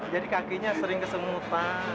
jadi kakinya sering kesemutan